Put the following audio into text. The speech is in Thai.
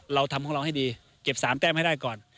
เราทำของเราให้ดีเก็บ๓แต้มให้ได้ก่อน